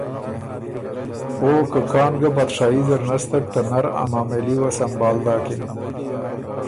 او که کان ګۀ بادشايي زر نستک، ته نر ا معامېلي وه سهمبال داکِن